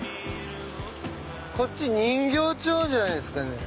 こっち人形町じゃないですかね。